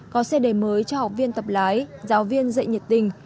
có c đề mới cho học viên tập lái giáo viên dạy nhiệt tình